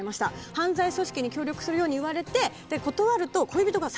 犯罪組織に協力するように言われて断ると恋人がさらわれてしまいます。